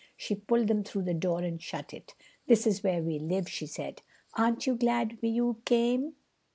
She pulled them through the door, and shut it. "This is where we live," she said. "Aren't you glad you came?"